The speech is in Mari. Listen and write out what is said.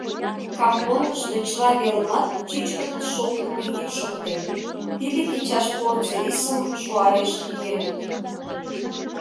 Кампонгышто чыла велымат чӱчкыдын шолткымо йӱк шоктен: тиде кечаш порций рисым шуареш тӱеныт.